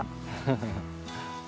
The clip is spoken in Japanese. フフフ。